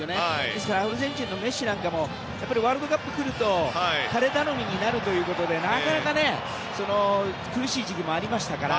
ですから、アルゼンチンのメッシもワールドカップでは彼頼みになるということでなかなか苦しい時期もありましたから。